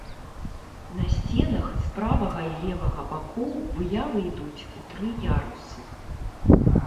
На сценах з правага і левага бакоў выявы ідуць у тры ярусы.